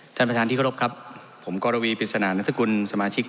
ท่านประธานที่เคารพครับผมกรวีปริศนานัฐกุลสมาชิก